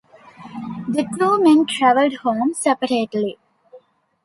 The two men traveled home separately.